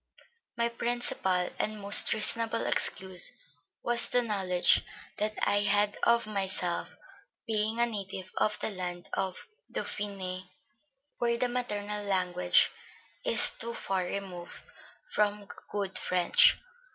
My principal and most reasonable excuse was the knowledge that I had of myself, being a native of the land of Dauphiné, where the maternal language is too far removed from good French....